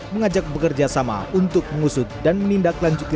mengajak bekerja sama untuk mengusut dan menindaklanjuti